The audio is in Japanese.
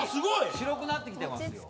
白くなってきてますよ。